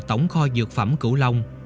tổng kho dược phẩm cửu long